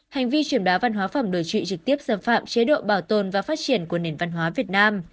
hành vi chuyển bá văn hóa phẩm đối trị trực tiếp xâm phạm chế độ bảo tồn và phát triển của nền văn hóa việt nam